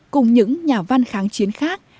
cùng những nhà văn kháng chiến khác